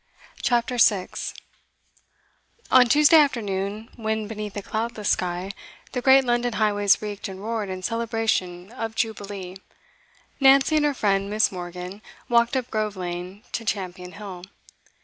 CHAPTER 6 On Tuesday afternoon, when, beneath a cloudless sky, the great London highways reeked and roared in celebration of Jubilee, Nancy and her friend Miss. Morgan walked up Grove Lane to Champion Hill.